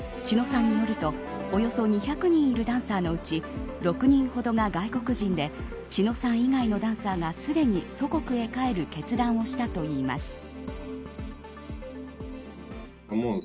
千野さんによると、およそ２００人いるダンサーのうち６人ほどが外国人で千野さん以外のダンサーがすでに祖国へ帰る決断をしたといいます。